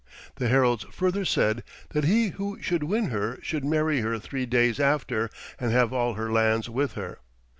The heralds further said that he who should win her should marry her three days after, and have all her lands with her.